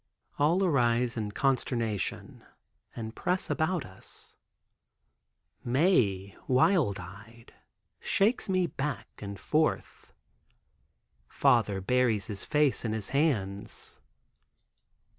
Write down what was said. All arise in consternation and press about us. Mae, wild eyed, shakes me back and forth. Father buries his face in his hands.